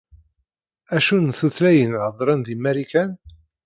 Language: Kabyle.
Acu n tutlayin heddren di Marikan?